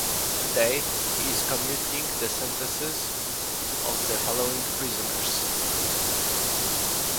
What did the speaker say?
Today, he is commuting the sentences of the following prisoners.